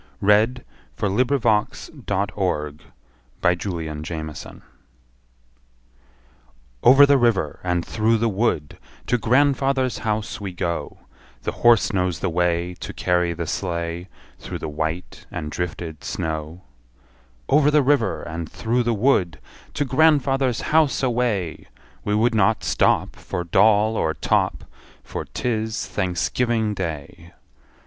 Y Z The New England Boy's Song About Thanksgiving Day OVER the river, and through the wood, To grandfather's house we go; The horse knows the way, To carry the sleigh, Through the white and drifted snow. Over the river, and through the wood, To grandfather's house away! We would not stop For doll or top, For 't is Thanksgiving Day.